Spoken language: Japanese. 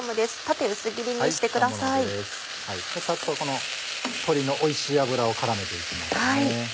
サッとこの鶏のおいしい脂を絡めていきますね。